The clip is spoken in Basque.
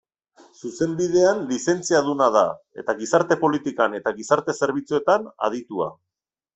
Zuzenbidean lizentziaduna da, eta gizarte-politikan eta gizarte-zerbitzuetan aditua.